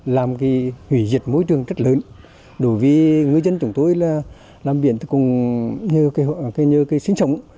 làm cái hủy diệt môi trường rất lớn đối với ngư dân chúng tôi là làm biển từ cùng như cái sinh sống